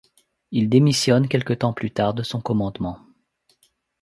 Il démissionne quelque temps plus tard de son commandement.